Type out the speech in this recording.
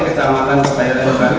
kecamatan setayar lair bandung